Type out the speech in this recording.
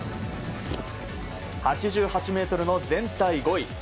８８ｍの全体５位。